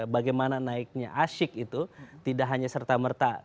bagaimana naiknya asyik itu tidak hanya serta merta